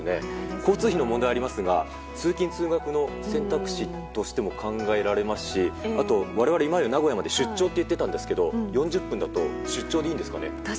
交通費の問題がありますが通勤・通学の選択肢にも考えられますしあと、我々は今まで名古屋まで出張と言っていたんですが４０分だと出張でいいんですかね？